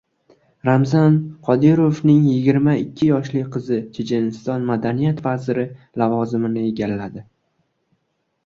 Ramzan Qodirovningyigirma ikkiyoshli qizi Checheniston madaniyat vaziri lavozimini egalladi